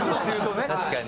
確かに。